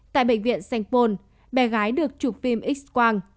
tại bệnh viện sengpon bé gái được chụp phim x quang